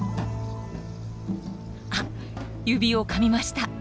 あっ指をかみました。